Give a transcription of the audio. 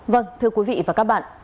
vâng thưa quý vị và các bạn